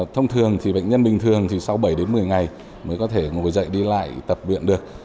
thông thường thì bệnh nhân bình thường thì sau bảy đến một mươi ngày mới có thể ngồi dậy đi lại tập luyện được